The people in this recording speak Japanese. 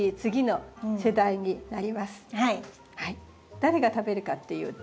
誰が食べるかっていうと。